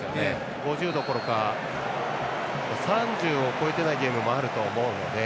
５０どころか３０を超えてないゲームもあると思うので。